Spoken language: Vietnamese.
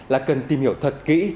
là cần tìm hiểu thật kỹ